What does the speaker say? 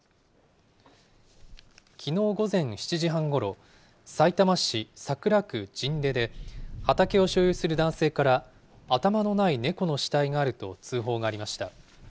きのう午前７時半ごろ、さいたま市桜区神田で畑を所有する男性から、頭のない猫の死体があると通報がありました。